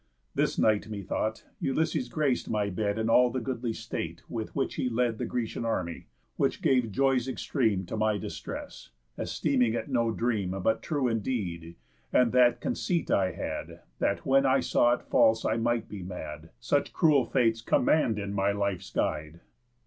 This night, methought, Ulysses grac'd my bed In all the goodly state with which he led The Grecian army; which gave joys extreme To my distress, esteeming it no dream, But true indeed; and that conceit I had, That when I saw it false I might be mad. Such cruel fates command in my life's guide."